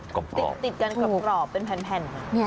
ก็ติดกันกรอบเป็นแผ่น